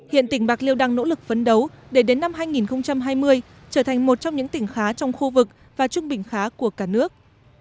hiện tỉnh bạc liêu đang nỗ lực phấn đấu để đến năm hai nghìn hai mươi trở thành một trong những tỉnh khá trong khu vực và trung bình khá của cả nước